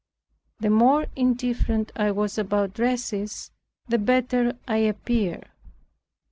The more indifferent I was about dress the better I appeared.